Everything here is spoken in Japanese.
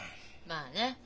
まあね。